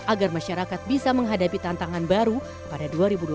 agar masyarakat bisa menghadapi tantangan baru pada dua ribu dua puluh